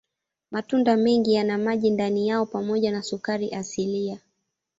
Matunda mengi yana maji ndani yao pamoja na sukari asilia.